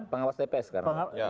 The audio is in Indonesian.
pengawas dps karena